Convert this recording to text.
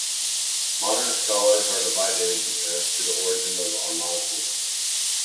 Modern scholars are divided as to the origin of Armazi.